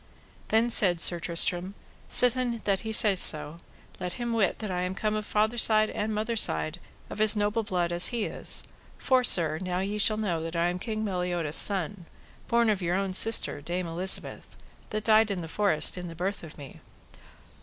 Then said Sir Tristram: Sithen that he saith so, let him wit that I am come of father side and mother side of as noble blood as he is: for, sir, now shall ye know that I am King Meliodas' son, born of your own sister, Dame Elizabeth, that died in the forest in the birth of me.